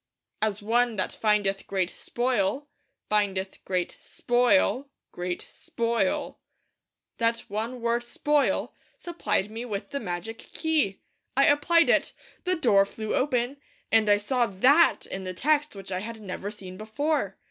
'As one that findeth great spoil' ... 'findeth great spoil' ... 'great spoil.' That one word 'spoil' supplied me with the magic key. I applied it; the door flew open; and I saw that in the text which I had never seen before.